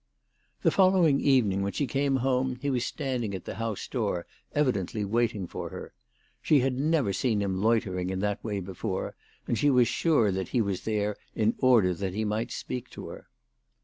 The following evening, when she came home, he was standing at the house door evidently waiting for her. She had never seen him loitering in that way before, and she was sure that he was there in order that he might speak to her.